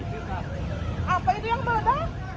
apa itu yang berada